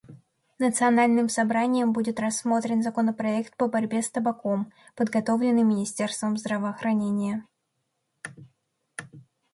Национальным собранием будет рассмотрен законопроект по борьбе с табаком, подготовленный министерством здравоохранения.